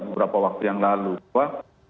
beberapa waktu yang lalu bahwa